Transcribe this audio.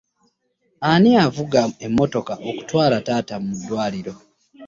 Ani anaavuga emmotoka okutwala taata mu ddwaliro.